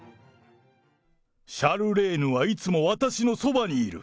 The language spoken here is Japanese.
シャルレーヌはいつも私のそばにいる。